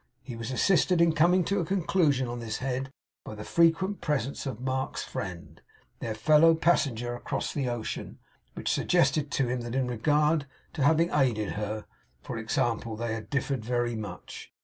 He was assisted in coming to a conclusion on this head by the frequent presence of Mark's friend, their fellow passenger across the ocean, which suggested to him that in regard to having aided her, for example, they had differed very much.